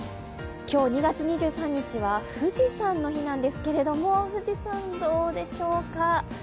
今日２月２３日は富士山の日なんですけれども富士山、どうでしょうか。